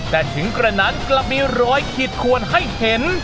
แต่ถึงกระนั้นกลับมีรอยขีดขวนให้เห็น